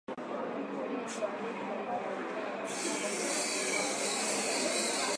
Imetayarishwa na Kennes Bwire, sauti ya america, Washington Wilaya ya Columbia